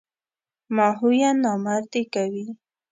ماهویه نامردي کوي.